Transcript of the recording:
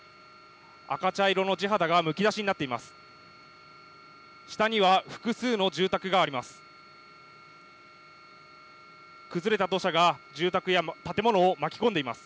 赤茶色の地肌がむき出しになっています。